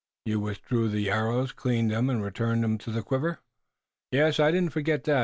You withdrew the arrows, cleaned them and returned them to the quiver?" "Yes. I didn't forget that.